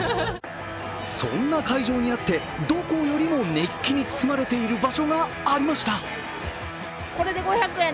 そんな会場にあって、どこよりも熱気に包まれている場所がありました。